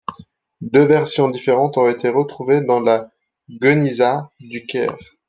Deux versions différentes ont été retrouvées dans la guenizah du Caire.